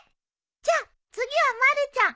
じゃあ次はまるちゃん。